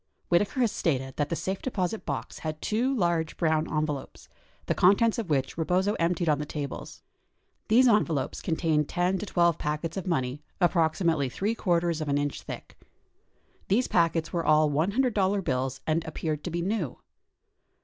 Whitaker has stated that the safe deposit box had two large brown envelopes, the contents of which Rebozo emptied on the tables. These envelopes contained 10 to 12 packets of money approximately three quarters of an inch thick. These packets were all $100 bills and appeared to be new.